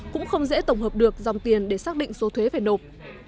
cũng không dễ tổng hợp được dòng tiền để xác định số thuế phải nộp